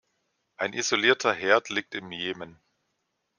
Ein isolierter Herd liegt im Jemen.